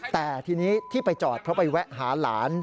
แต่ทีนี้ที่ไปจอดเพราะไปแวะหาหลาน